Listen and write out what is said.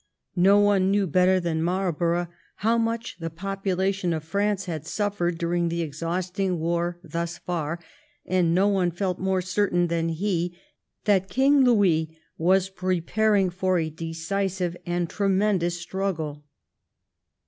No one knew better than Marlborough how much the population of France had suffered during the exhausting war thus far, and no one felt more certain than he that King Louis was preparing for a decisive and tremendous struggle.